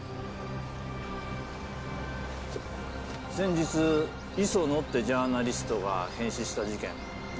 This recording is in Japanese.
先日磯野ってジャーナリストが変死した事件ご存じですか？